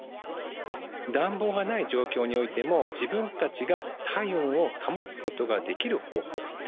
暖房がない状況においても、自分たちが体温を保つことができる方法。